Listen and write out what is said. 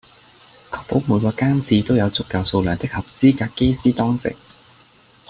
確保每個更次都有足夠數量的合資格機師當值